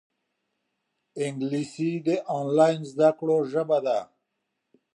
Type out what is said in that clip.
انګلیسي د آنلاین زده کړو ژبه ده